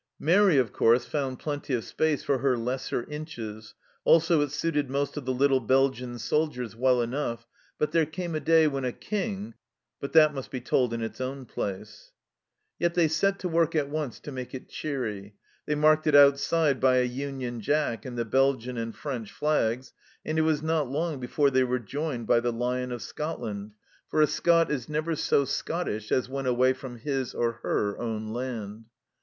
Mairi, of course, found plenty of space for her lesser inches, also it suited most of the little Belgian soldiers well enough, but there came a day when a King But that must be told in its own place ! Yet they set to work at once to make it cheery. They marked it outside by a Union Jack and the Belgian and French flags, and it was not long before they were joined by the Lion of Scotland, 128 THE CELLAR HOUSE OF PERVYSE for a Scot is never so Scottish as when away from his, or her, own land.